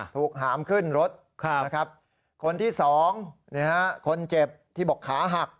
ถูกหามขึ้นรถคนที่๒คนเจ็บที่บอกขาหัก